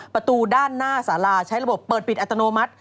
ประตูด้านหน้าสาราใช้ระบบเปิดปิดอัตโนมัติ